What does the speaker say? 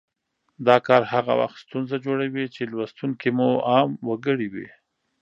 دا کار هغه وخت ستونزه جوړوي چې لوستونکي مو عام وګړي وي